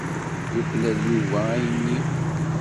Yuklal Yuba ayenni.